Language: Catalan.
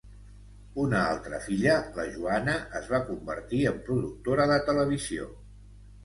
Una altra filla, la Joana, es va convertir en productora de televisió.